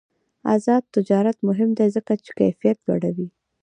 آزاد تجارت مهم دی ځکه چې کیفیت لوړوي.